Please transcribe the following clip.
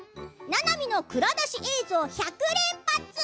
ななみの蔵出し映像を１００連発。